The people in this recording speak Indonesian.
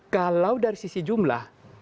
kalau dari sisi jumlah